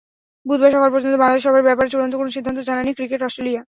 বুধবার সকাল পর্যন্ত বাংলাদেশ সফরের ব্যাপারে চূড়ান্ত কোনো সিদ্ধান্ত জানায়নি ক্রিকেট অস্ট্রেলিয়া।